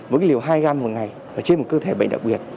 với liều hai gram một ngày trên một cơ thể bệnh đặc biệt